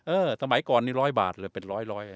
เออสมัยก่อนนี่ร้อยบาทเลยเป็นร้อย